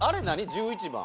１１番。